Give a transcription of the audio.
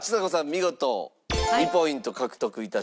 見事２ポイント獲得致しました。